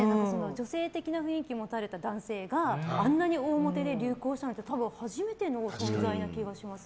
女性的な雰囲気を持たれた男性が、あんなに大モテで流行したのって初めての存在だと思います。